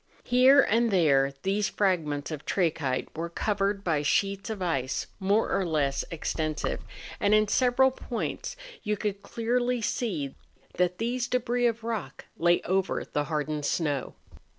Here and there these fragments of trachyte were covered by sheets of ice more or less extensive, and in several points you could clearly see that these debris of rock lay over the hardened snow.